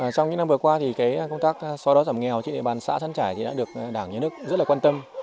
trong những năm vừa qua công tác so đó giảm nghèo trên địa bàn xã săn trải đã được đảng và nhà nước rất quan tâm